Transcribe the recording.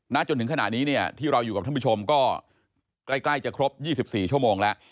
จนถึงขณะนี้เนี่ยที่เราอยู่กับท่านผู้ชมก็ใกล้จะครบ๒๔ชั่วโมงแล้ว